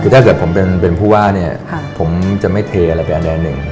คือถ้าเกิดผมเป็นผู้ว่าเนี่ยผมจะไม่เทอะไรกับอันใดหนึ่ง